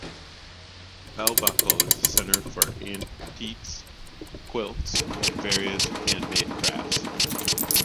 Bell Buckle is a center for antiques, quilts, and various handmade crafts.